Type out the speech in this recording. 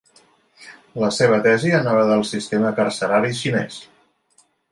La seva tesi anava del sistema carcerari xinès.